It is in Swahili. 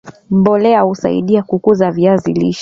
mbolea husaidia kukuza viazi lishe